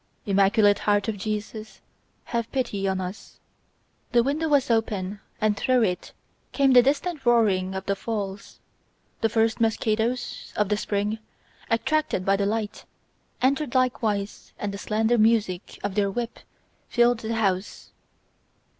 "Immaculate heart of Jesus, have pity on us..." The window was open and through it came the distant roaring of the falls. The first mosquitos, of the spring, attracted by the light, entered likewise and the slender music of their wings filled the house.